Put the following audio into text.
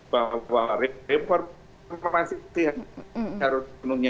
bahwa reform masih harus penuhnya